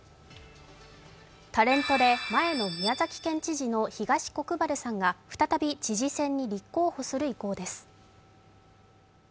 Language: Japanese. タレントで前の宮崎県知事の東国原さんが再び知事選に立候補する意向です。